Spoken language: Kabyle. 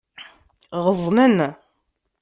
Ɣeẓnen.